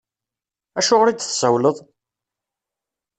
Acuɣeṛ i d-tsawleḍ?